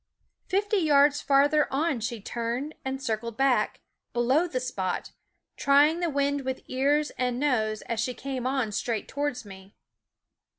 Fifty yards farther on she turned and circled back, below the spot, trying the wind with ears and nose as she came on straight towards me.